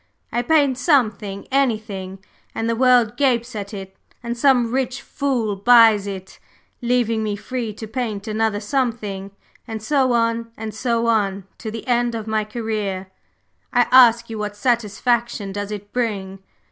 I paint something, anything, and the world gapes at it, and some rich fool buys it, leaving me free to paint another something; and so on and so on, to the end of my career. I ask you what satisfaction does it bring?